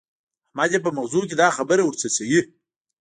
احمد يې په مغزو کې دا خبره ور څڅوي.